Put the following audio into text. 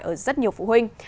ở rất nhiều phụ huynh